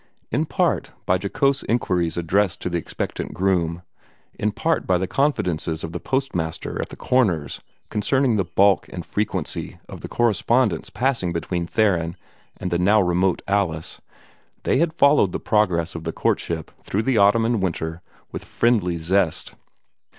In part by jocose inquiries addressed to the expectant groom, in part by the confidences of the postmaster at the corners concerning the bulk and frequency of the correspondence passing between Theron and the now remote Alice they had followed the progress of the courtship through the autumn and winter with friendly zest.